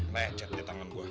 rejet deh tangan gue